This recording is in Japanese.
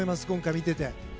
今回見ていて。